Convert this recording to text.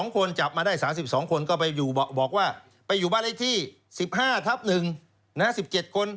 ๓๒คนจับมาได้๓๒คนก็ไปอยู่บ้านไร้ที่๑๕๑๑๗คน